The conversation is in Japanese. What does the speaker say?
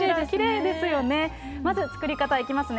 まず作り方いきますね。